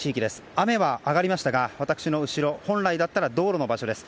雨は上がりましたが私の後ろ、本来道路の場所です。